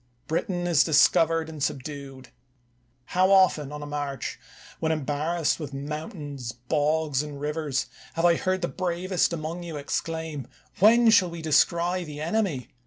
Britain is discovered and subdued. How often, on a march, when embarrassed with mountains, bogs, and rivers, have I heard the bravest among you exclaim, When shall we descry the enemy?